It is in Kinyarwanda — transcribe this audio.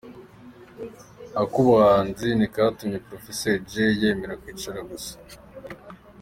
Ak'ubuhanzi ntikatumye Professor Jay yemera kwicara gusa.